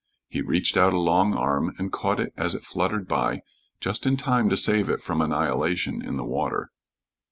He reached out a long arm and caught it as it fluttered by, just in time to save it from annihilation in the water.